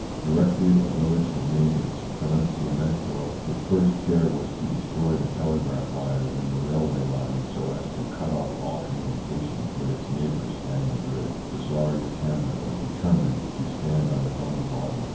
Directly a village had made its pronunciamento its first care was to destroy the telegraph wires and the railway lines so as to cut off all communication with its neighbours and Madrid. The sorriest hamlet was determined to stand on its own bottom.